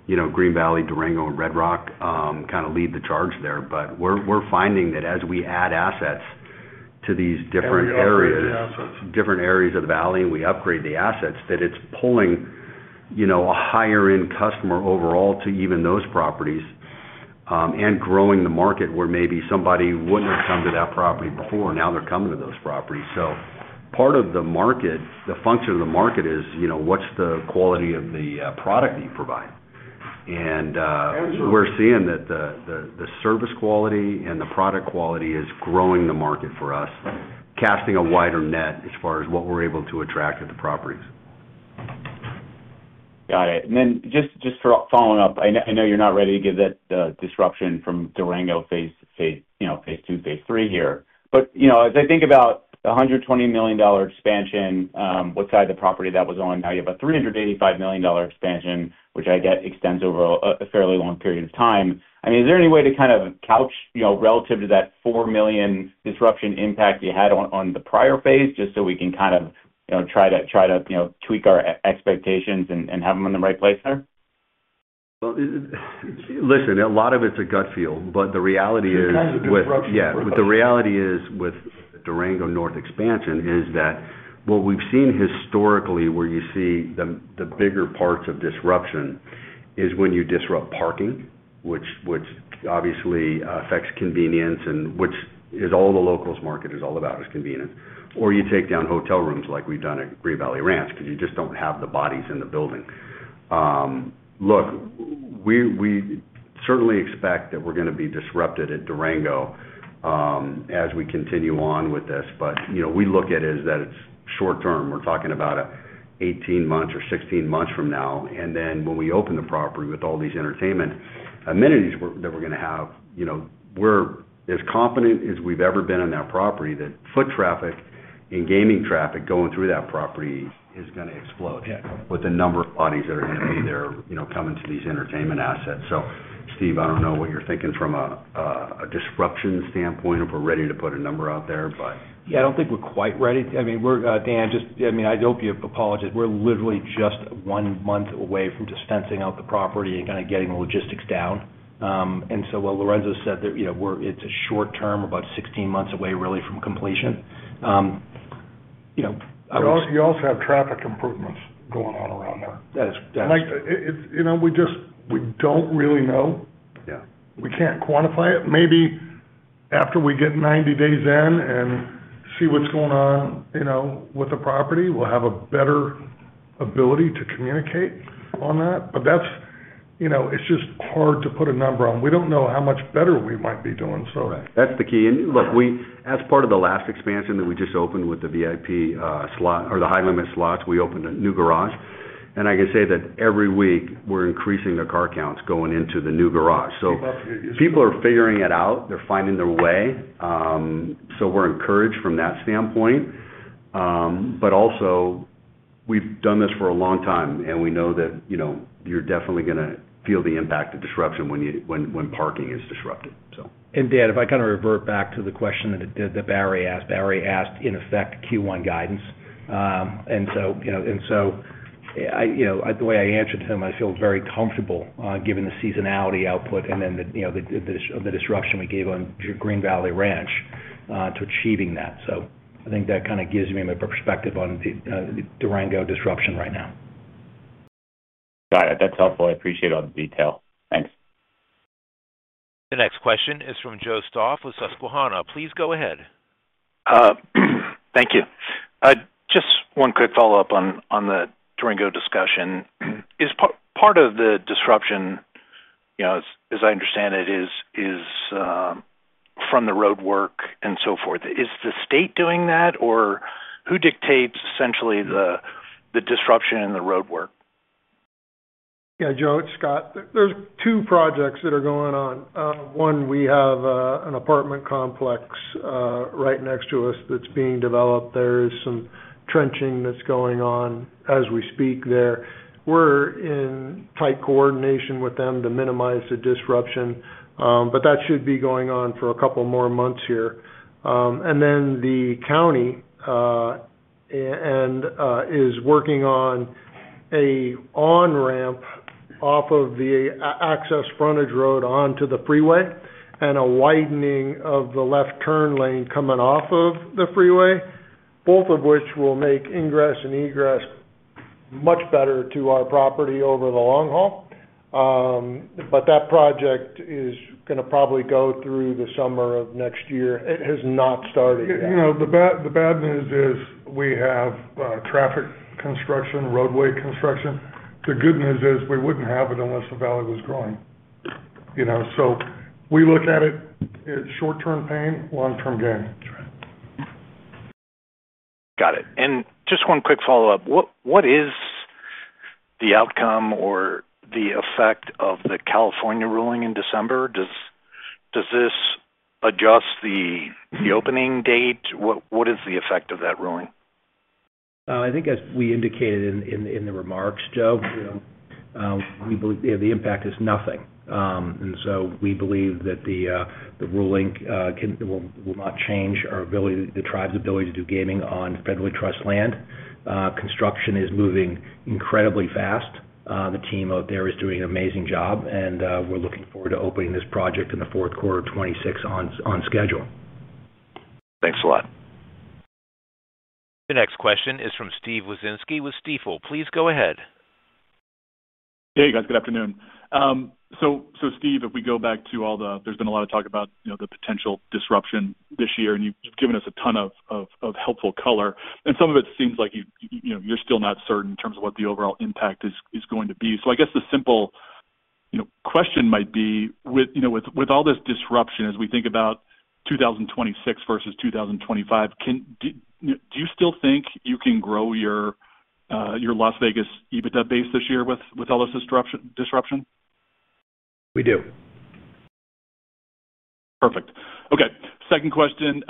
Obviously, Green Valley, Durango, and Red Rock kind of lead the charge there. But we're finding that as we add assets to these different areas of the valley, and we upgrade the assets, that it's pulling a higher-end customer overall to even those properties and growing the market where maybe somebody wouldn't have come to that property before. Now they're coming to those properties. So part of the market, the function of the market is, what's the quality of the product that you provide? And we're seeing that the service quality and the product quality is growing the market for us, casting a wider net as far as what we're able to attract at the properties. Got it. And then just following up, I know you're not ready to give that disruption from Durango phase two, phase three here. But as I think about the $120 million expansion, what side of the property that was on, now you have a $385 million expansion, which I get extends over a fairly long period of time. I mean, is there any way to kind of couch relative to that $4 million disruption impact you had on the prior phase just so we can kind of try to tweak our expectations and have them in the right place there? Well, listen, a lot of it's a gut feel. But the reality is with the Durango North expansion is that what we've seen historically where you see the bigger parts of disruption is when you disrupt parking, which obviously affects convenience and which is all the locals market is all about is convenience, or you take down hotel rooms like we've done at Green Valley Ranch because you just don't have the bodies in the building. Look, we certainly expect that we're going to be disrupted at Durango as we continue on with this. But we look at it as that it's short term. We're talking about 18 months or 16 months from now. And then when we open the property with all these entertainment amenities that we're going to have, we're as competent as we've ever been on that property that foot traffic and gaming traffic going through that property is going to explode with the number of bodies that are going to be there coming to these entertainment assets. So, Steve, I don't know what you're thinking from a disruption standpoint if we're ready to put a number out there, but. Yeah. I don't think we're quite ready to I mean, Dan, I mean, I hope you apologize. We're literally just 1 month away from just fencing out the property and kind of getting the logistics down. And so, while Lorenzo said that it's a short term, about 16 months away really from completion, I would say. You also have traffic improvements going on around there. And we don't really know. We can't quantify it. Maybe after we get 90 days in and see what's going on with the property, we'll have a better ability to communicate on that. But it's just hard to put a number on. We don't know how much better we might be doing, so. Right. That's the key. And look, as part of the last expansion that we just opened with the VIP slot or the high-limit slots, we opened a new garage. And I can say that every week, we're increasing the car counts going into the new garage. So people are figuring it out. They're finding their way. So we're encouraged from that standpoint. But also, we've done this for a long time, and we know that you're definitely going to feel the impact of disruption when parking is disrupted, so. And Dan, if I kind of revert back to the question that Barry asked, Barry asked, in effect, Q1 guidance. And so the way I answered to him, I feel very comfortable given the seasonality output and then the disruption we gave on Green Valley Ranch to achieving that. So I think that kind of gives me a perspective on the Durango disruption right now. Got it. That's helpful. I appreciate all the detail. Thanks. The next question is from Joseph Stauff with Susquehanna. Please go ahead. Thank you. Just one quick follow-up on the Durango discussion. Part of the disruption, as I understand it, is from the roadwork and so forth. Is the state doing that, or who dictates essentially the disruption in the roadwork? Yeah. Joe, it's Scott. There's two projects that are going on. One, we have an apartment complex right next to us that's being developed. There is some trenching that's going on as we speak there. We're in tight coordination with them to minimize the disruption, but that should be going on for a couple more months here. And then the county is working on a on-ramp off of the access frontage road onto the freeway and a widening of the left turn lane coming off of the freeway, both of which will make ingress and egress much better to our property over the long haul. But that project is going to probably go through the summer of next year. It has not started yet. The bad news is we have traffic construction, roadway construction. The good news is we wouldn't have it unless the valley was growing. So we look at it as short-term pain, long-term gain. That's right. Got it. And just one quick follow-up. What is the outcome or the effect of the California ruling in December? Does this adjust the opening date? What is the effect of that ruling? I think, as we indicated in the remarks, Joe, we believe the impact is nothing. And so we believe that the ruling will not change our ability, the tribe's ability to do gaming on federally trusted land. Construction is moving incredibly fast. The team out there is doing an amazing job, and we're looking forward to opening this project in the fourth quarter of 2026 on schedule. Thanks a lot. The next question is from Steve Wieczynski with Stifel. Please go ahead. Hey. You guys, good afternoon. So, Steve, if we go back to all the there's been a lot of talk about the potential disruption this year, and you've given us a ton of helpful color. And some of it seems like you're still not certain in terms of what the overall impact is going to be. So I guess the simple question might be, with all this disruption, as we think about 2026 versus 2025, do you still think you can grow your Las Vegas EBITDA base this year with all this disruption? We do. Perfect. Okay. Second question,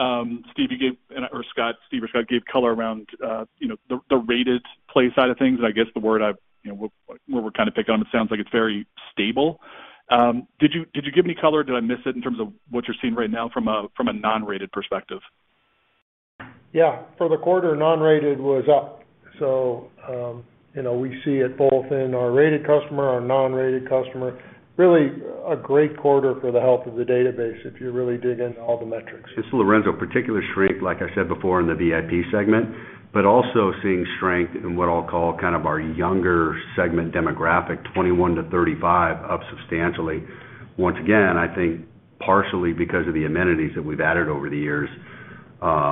Steve, you gave or Scott, Steve or Scott gave color around the rated play side of things. And I guess the word I've where we're kind of picking on, it sounds like it's very stable. Did you give any color? Did I miss it in terms of what you're seeing right now from a non-rated perspective? Yeah. For the quarter, non-rated was up. So we see it both in our rated customer, our non-rated customer. Really a great quarter for the health of the database if you really dig into all the metrics. Just Lorenzo, particular strength, like I said before, in the VIP segment, but also seeing strength in what I'll call kind of our younger segment demographic, 21 to 35, up substantially. Once again, I think partially because of the amenities that we've added over the years are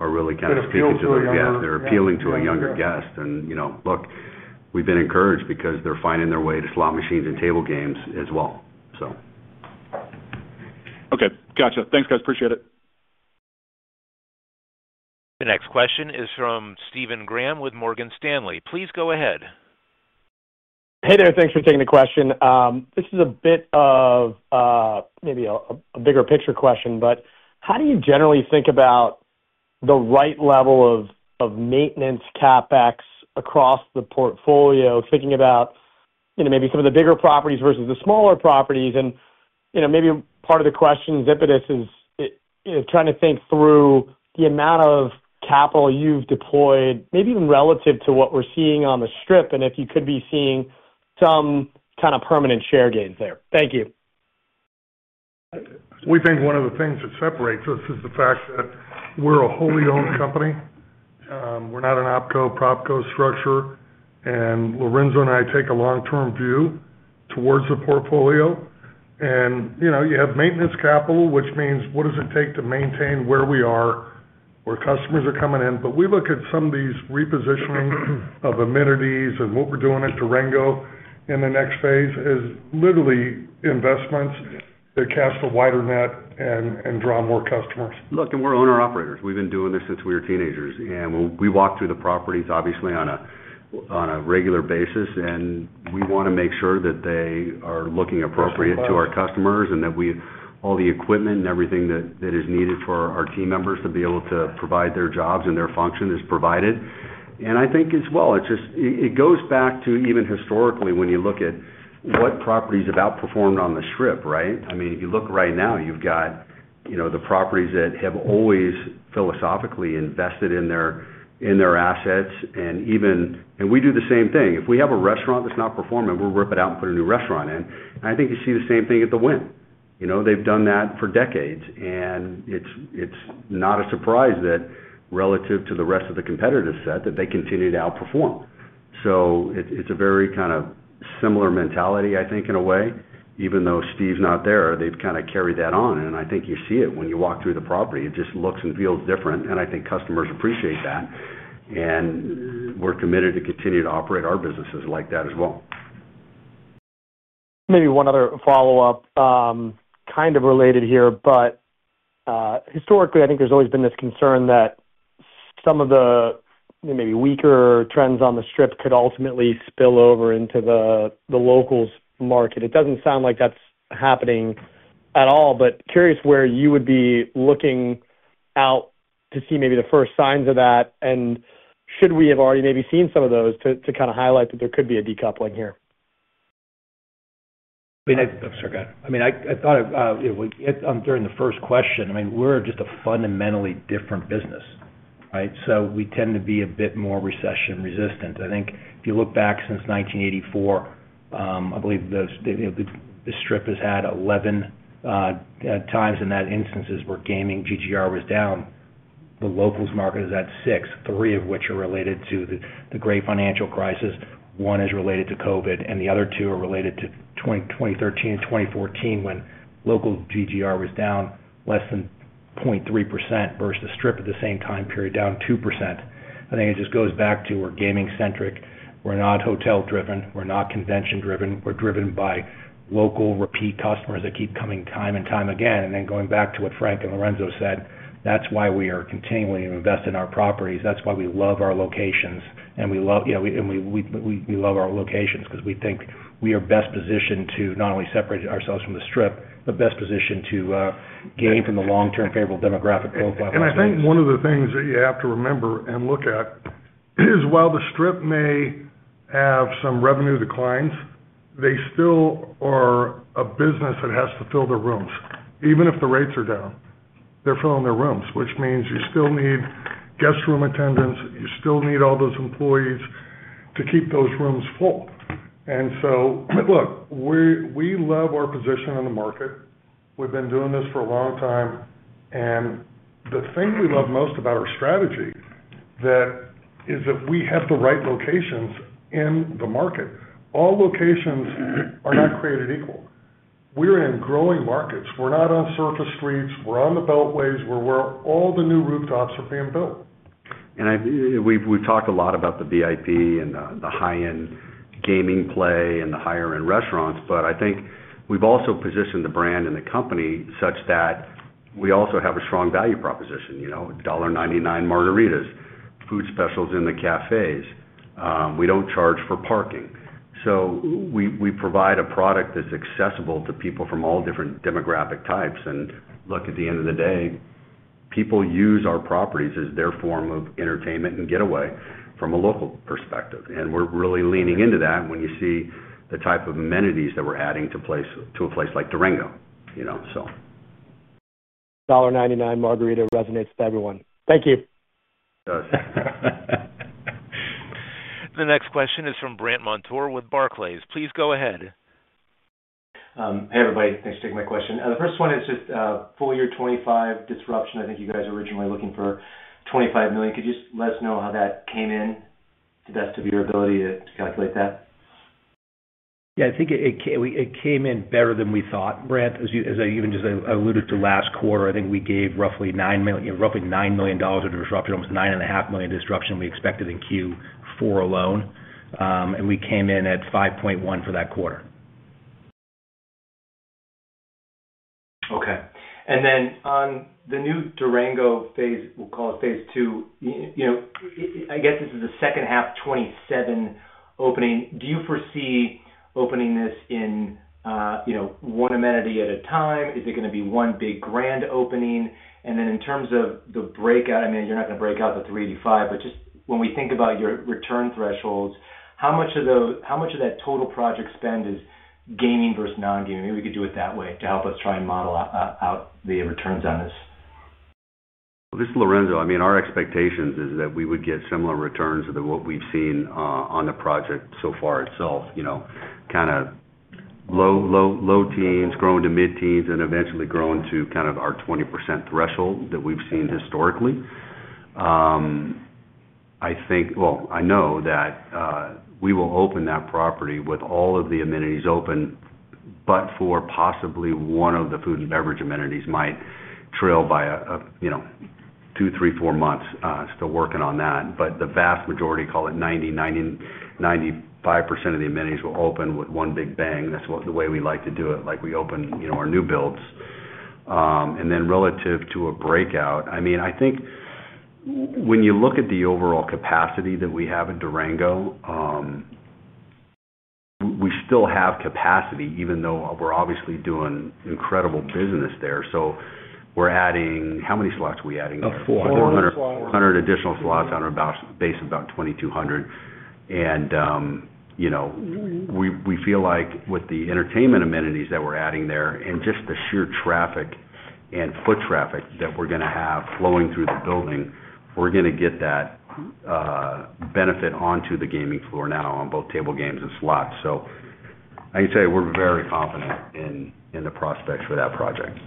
really kind of speaking to the yeah. They're appealing to a younger guest. And look, we've been encouraged because they're finding their way to slot machines and table games as well, so. Okay. Gotcha. Thanks, guys. Appreciate it. The next question is from Stephen Grambling with Morgan Stanley. Please go ahead. Hey there. Thanks for taking the question. This is a bit of maybe a bigger picture question, but how do you generally think about the right level of maintenance CapEx across the portfolio, thinking about maybe some of the bigger properties versus the smaller properties? And maybe part of the question's impetus is trying to think through the amount of capital you've deployed, maybe even relative to what we're seeing on the Strip, and if you could be seeing some kind of permanent share gains there. Thank you. We think one of the things that separates us is the fact that we're a wholly owned company. We're not an OpCo/PropCo structure. And Lorenzo and I take a long-term view towards the portfolio. And you have maintenance capital, which means what does it take to maintain where we are where customers are coming in? But we look at some of these repositioning of amenities and what we're doing at Durango in the next phase as literally investments that cast a wider net and draw more customers. Look, and we're owner-operators. We've been doing this since we were teenagers. And we walk through the properties, obviously, on a regular basis. And we want to make sure that they are looking appropriate to our customers and that all the equipment and everything that is needed for our team members to be able to provide their jobs and their function is provided. And I think as well, it goes back to even historically, when you look at what properties have outperformed on the Strip, right? I mean, if you look right now, you've got the properties that have always philosophically invested in their assets. And we do the same thing. If we have a restaurant that's not performing, we'll rip it out and put a new restaurant in. And I think you see the same thing at The Wynn. They've done that for decades. And it's not a surprise that relative to the rest of the competitors' set, that they continue to outperform. So it's a very kind of similar mentality, I think, in a way. Even though Steve's not there, they've kind of carried that on. And I think you see it when you walk through the property. It just looks and feels different. And I think customers appreciate that. And we're committed to continue to operate our businesses like that as well. Maybe one other follow-up, kind of related here. But historically, I think there's always been this concern that some of the maybe weaker trends on the Strip could ultimately spill over into the locals market. It doesn't sound like that's happening at all. But, curious where you would be looking out to see maybe the first signs of that. And should we have already maybe seen some of those to kind of highlight that there could be a decoupling here? I mean, I thought of during the first question, I mean, we're just a fundamentally different business, right? So we tend to be a bit more recession-resistant. I think if you look back since 1984, I believe the Strip has had 11 times in that instances where gaming GGR was down. The locals market is at six, three of which are related to the Great Financial Crisis. One is related to COVID. The other two are related to 2013 and 2014 when local GGR was down less than 0.3% versus the Strip at the same time period, down 2%. I think it just goes back to we're gaming-centric. We're not hotel-driven. We're not convention-driven. We're driven by local repeat customers that keep coming time and time again. And then going back to what Frank and Lorenzo said, that's why we are continually investing in our properties. That's why we love our locations. And we love yeah. And we love our locations because we think we are best positioned to not only separate ourselves from the Strip but best positioned to gain from the long-term favorable demographic profile on the Strip. I think one of the things that you have to remember and look at is while the Strip may have some revenue declines, they still are a business that has to fill their rooms. Even if the rates are down, they're filling their rooms, which means you still need guest room attendants. You still need all those employees to keep those rooms full. So, look, we love our position in the market. We've been doing this for a long time. The thing we love most about our strategy is that we have the right locations in the market. All locations are not created equal. We're in growing markets. We're not on surface streets. We're on the beltways where all the new rooftops are being built. We've talked a lot about the VIP and the high-end gaming play and the higher-end restaurants. But I think we've also positioned the brand and the company such that we also have a strong value proposition: $1.99 margaritas, food specials in the cafes. We don't charge for parking. So we provide a product that's accessible to people from all different demographic types. And look, at the end of the day, people use our properties as their form of entertainment and getaway from a local perspective. And we're really leaning into that when you see the type of amenities that we're adding to a place like Durango, so. $1.99 margarita resonates with everyone. Thank you. Does. The next question is from Brandt Montour with Barclays. Please go ahead. Hey, everybody. Thanks for taking my question. The first one is just full year 2025 disruption. I think you guys were originally looking for $25 million. Could you just let us know how that came in, to the best of your ability, to calculate that? Yeah. I think it came in better than we thought, Brant. As I even just alluded to last quarter, I think we gave roughly $9 million of disruption, almost $9.5 million disruption we expected in Q4 alone. And we came in at $5.1 million for that quarter. Okay. And then on the new Durango phase, we'll call it phase two. I guess this is the second half 2027 opening. Do you foresee opening this in one amenity at a time? Is it going to be one big grand opening? And then in terms of the breakout, I mean, you're not going to break out the $385. But just when we think about your return thresholds, how much of that total project spend is gaming versus non-gaming? Maybe we could do it that way to help us try and model out the returns on this. This is Lorenzo. I mean, our expectations is that we would get similar returns to what we've seen on the project so far itself, kind of low teens, growing to mid-teens, and eventually growing to kind of our 20% threshold that we've seen historically. Well, I know that we will open that property with all of the amenities open but possibly one of the food and beverage amenities might trail by two, three, four months. Still working on that. But the vast majority, call it 90%, 95% of the amenities will open with one big bang. That's the way we like to do it, like we open our new builds. And then relative to a breakout, I mean, I think when you look at the overall capacity that we have at Durango, we still have capacity even though we're obviously doing incredible business there. So we're adding how many slots are we adding there? 400. 400 additional slots on our base of about 2,200. And we feel like with the entertainment amenities that we're adding there and just the sheer traffic and foot traffic that we're going to have flowing through the building, we're going to get that benefit onto the gaming floor now on both table games and slots. So I can tell you, we're very confident in the prospects for that project.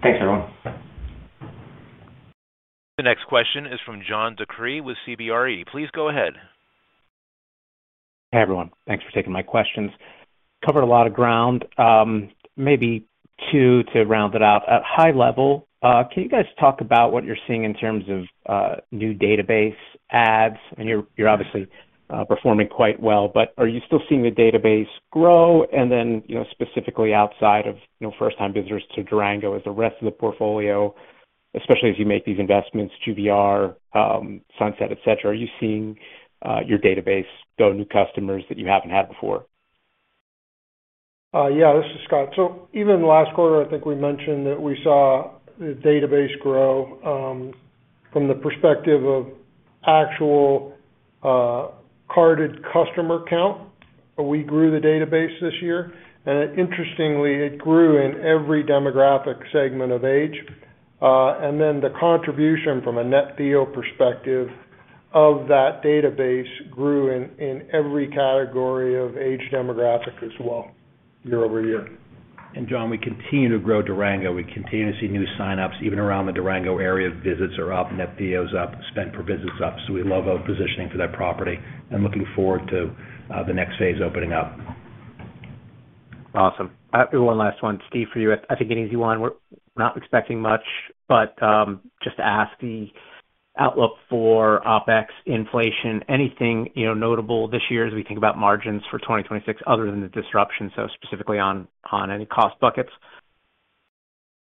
Thanks, everyone. The next question is from John DeCree with CBRE. Please go ahead. Hey, everyone. Thanks for taking my questions. Covered a lot of ground. Maybe two to round it out. At a high level, can you guys talk about what you're seeing in terms of new database adds? I mean, you're obviously performing quite well. But are you still seeing the database grow? And then specifically outside of first-time visitors to Durango as the rest of the portfolio, especially as you make these investments, GVR, Sunset, etc., are you seeing your database grow new customers that you haven't had before? Yeah. This is Scott. So even last quarter, I think we mentioned that we saw the database grow from the perspective of actual carded customer count. We grew the database this year. And interestingly, it grew in every demographic segment of age. And then the contribution from a net yield perspective of that database grew in every category of age demographic as well, year-over-year. And John, we continue to grow Durango. We continue to see new signups. Even around the Durango area, visits are up. Net revenue's up. Spend per visit's up. So we love our positioning for that property and looking forward to the next phase opening up. Awesome. One last one, Steve, for you. I think an easy one. We're not expecting much. But just to ask, the outlook for OpEx, inflation, anything notable this year as we think about margins for 2026 other than the disruption, so specifically on any cost buckets?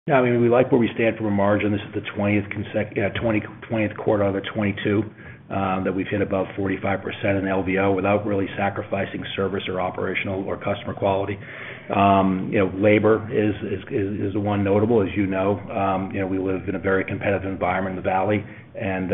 Yeah. I mean, we like where we stand from a margin. This is the 20th quarter of 22 that we've hit above 45% in LVO without really sacrificing service or operational or customer quality. Labor is the one notable. As you know, we live in a very competitive environment in the valley. And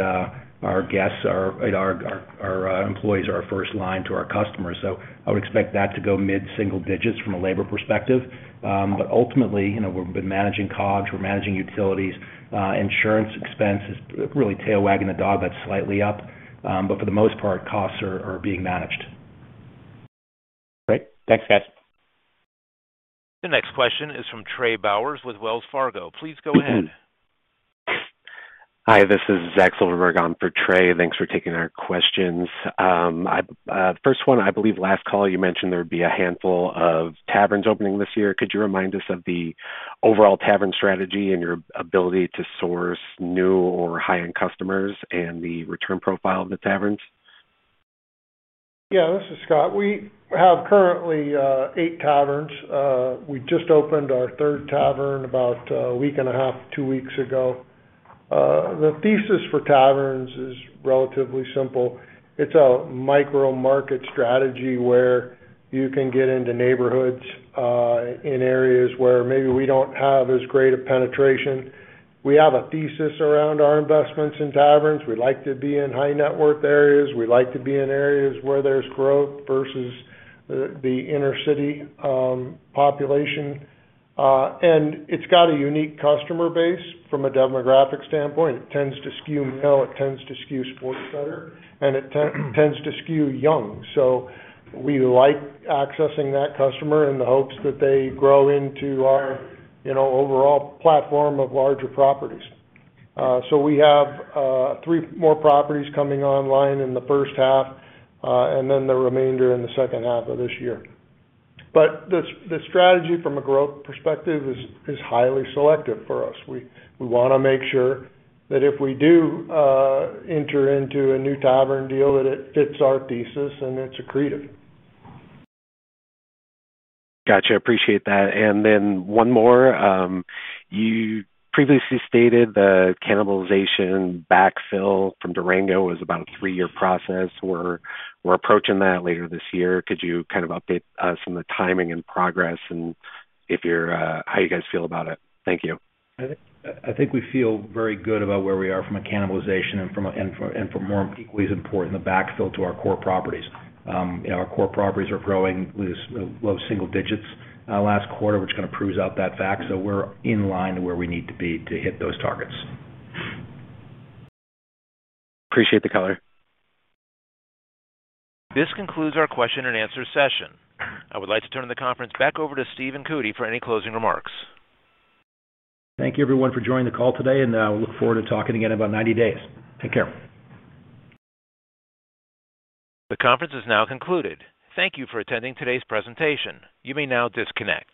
our guests are our employees are our first line to our customers. So I would expect that to go mid-single digits from a labor perspective. But ultimately, we've been managing COGS. We're managing utilities. Insurance expense is really tail wagging the dog. That's slightly up. But for the most part, costs are being managed. Great. Thanks, guys. The next question is from Trey Bowers with Wells Fargo. Please go ahead. Hi. This is Zach Silverberg. I'm for Trey. Thanks for taking our questions. First one, I believe last call, you mentioned there would be a handful of taverns opening this year. Could you remind us of the overall tavern strategy and your ability to source new or high-end customers and the return profile of the taverns? Yeah. This is Scott. We have currently 8 taverns. We just opened our third tavern about a week and a half, two weeks ago. The thesis for taverns is relatively simple. It's a micro-market strategy where you can get into neighborhoods in areas where maybe we don't have as great a penetration. We have a thesis around our investments in taverns. We like to be in high-net-worth areas. We like to be in areas where there's growth versus the inner-city population. And it's got a unique customer base from a demographic standpoint. It tends to skew male. It tends to skew sports bettor. And it tends to skew young. So we like accessing that customer in the hopes that they grow into our overall platform of larger properties. So we have three more properties coming online in the first half and then the remainder in the second half of this year. But the strategy from a growth perspective is highly selective for us. We want to make sure that if we do enter into a new tavern deal, that it fits our thesis and it's accretive. Gotcha. Appreciate that. And then one more. You previously stated the cannibalization backfill from Durango was about a three-year process. We're approaching that later this year. Could you kind of update us on the timing and progress and how you guys feel about it? Thank you. I think we feel very good about where we are from a cannibalization and from more. Equally as important the backfill to our core properties. Our core properties are growing with low single digits last quarter, which kind of proves out that fact. So we're in line to where we need to be to hit those targets. Appreciate the color. This concludes our question-and-answer session. I would like to turn the conference back over to Stephen Cootey for any closing remarks. Thank you, everyone, for joining the call today. We look forward to talking again about 90 days. Take care. The conference is now concluded. Thank you for attending today's presentation. You may now disconnect.